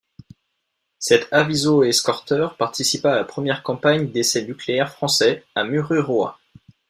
Cet aviso-escorteur participa à la première campagne d'essais nucléaires français à Mururoa.